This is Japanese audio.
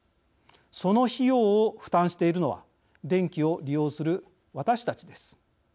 その費用を負担しているのは電気を利用する私たちです。